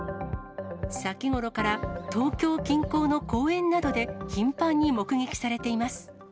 先頃から東京近郊の公園などで頻繁に目撃されています。